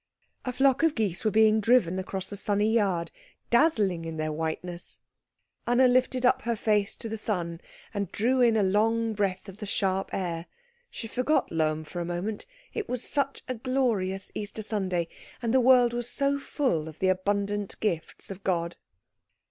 A flock of geese were being driven across the sunny yard, dazzling in their whiteness. Anna lifted up her face to the sun and drew in a long breath of the sharp air. She forgot Lohm for a moment it was such a glorious Easter Sunday, and the world was so full of the abundant gifts of God.